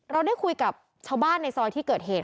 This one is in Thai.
เราได้คุยกับชาวบ้านในซอยที่เกิดเหตุ